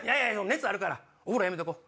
熱あるからお風呂やめとこ